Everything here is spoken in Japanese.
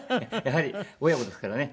やはり親子ですからね。